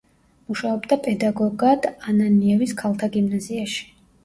მუშაობდა პედაგოგად ანანიევის ქალთა გიმნაზიაში.